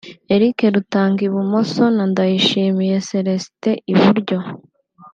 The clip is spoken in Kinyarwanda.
Eric Rutanga (Ibumoso) na Ndayishimiye Celestin (Ibumryo)